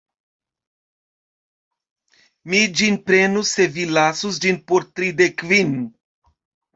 Mi ĝin prenus se vi lasus ĝin por tridek kvin.